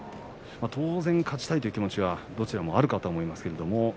当然、勝ちたいという気持ちはどちらもあると思います。